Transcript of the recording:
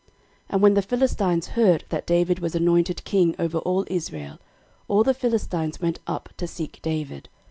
13:014:008 And when the Philistines heard that David was anointed king over all Israel, all the Philistines went up to seek David.